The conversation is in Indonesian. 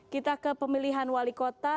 kita ke pemilihan wali kota